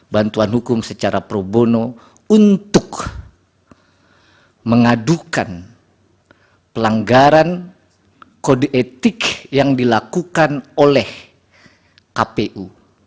bantuan hukum secara probono untuk mengadukan pelanggaran kode etik yang dilakukan oleh kpu